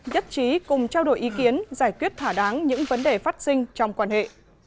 nhất trí cùng trao đổi ý kiến giải quyết thả đáng những vấn đề phát sinh trong quan hệ